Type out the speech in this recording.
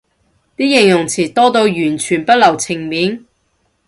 啲形容詞多到完全不留情面